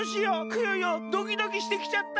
クヨヨドキドキしてきちゃった！